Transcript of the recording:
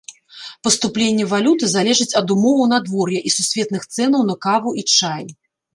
Паступленне валюты залежыць ад умоваў надвор'я і сусветных цэнаў на каву і чай.